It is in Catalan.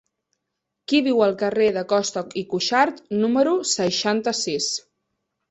Qui viu al carrer de Costa i Cuxart número seixanta-sis?